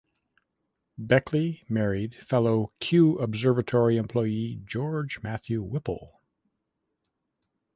Beckley married fellow Kew Observatory employee George Matthew Whipple.